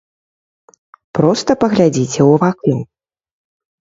Проста паглядзіце ў вакно.